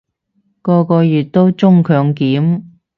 個個月都中強檢